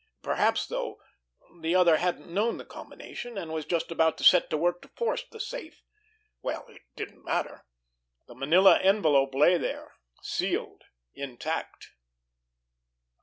Perhaps, though, the other hadn't known the combination, and was just about to set to work to force the safe! Well, it didn't matter! The manila envelope lay there, sealed, intact.